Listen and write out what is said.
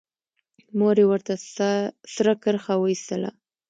مور يې ورته سره کرښه وايستله.